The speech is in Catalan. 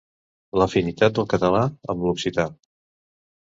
L'afinitat del català amb l'occità.